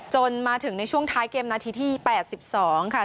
จนถึงในช่วงท้ายเกมนาทีที่๘๒ค่ะ